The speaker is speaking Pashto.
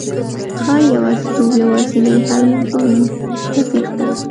ښایي يوازېتوب یوازېنی حل وي، نه تېښته